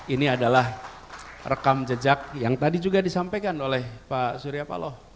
ini adalah rekam jejak yang tadi juga disampaikan oleh pak surya paloh